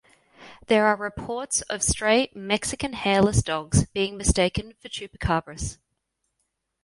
There are reports of stray Mexican Hairless Dogs being mistaken for chupacabras.